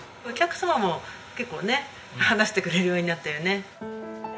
お客様も結構ね話してくれるようになったよね。